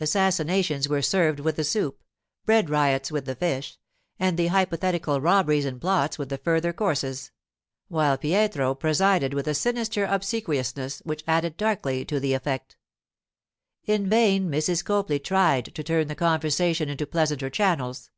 Assassinations were served with the soup, bread riots with the fish, and hypothetical robberies and plots with the further courses; while Pietro presided with a sinister obsequiousness which added darkly to the effect. In vain Mrs. Copley tried to turn the conversation into pleasanter channels.